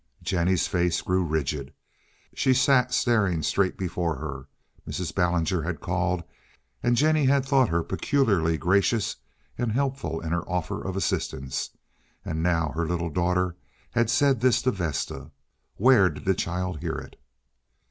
Jennie's face grew rigid. She sat staring straight before her. Mrs. Ballinger had called, and Jennie had thought her peculiarly gracious and helpful in her offer of assistance, and now her little daughter had said this to Vesta. Where did the child hear it?